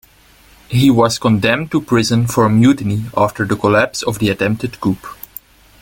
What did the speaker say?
He was condemned to prison for mutiny after the collapse of the attempted coup.